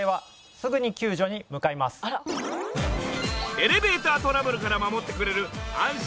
エレベータートラブルから守ってくれる安心